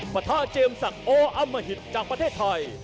พระท่าเจมสักโออัมภิษจากประเทศไทย